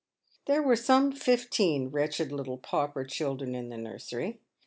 There were some fifteen wretched little pauper children in the nursery.